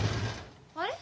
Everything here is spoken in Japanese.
あれ？